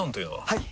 はい！